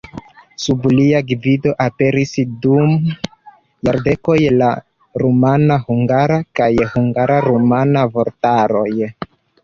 Sub lia gvido aperis dum jardekoj la rumana-hungara kaj hungara-rumana vortaroj.